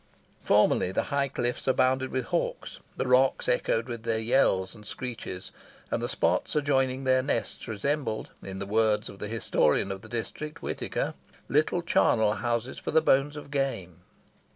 Formerly, the high cliffs abounded with hawks; the rocks echoed with their yells and screeches, and the spots adjoining their nests resembled, in the words of the historian of the district, Whitaker, "little charnel houses for the bones of game."